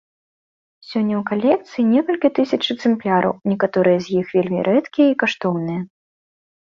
Сёння ў калекцыі некалькі тысяч экземпляраў, некаторыя з іх вельмі рэдкія і каштоўныя.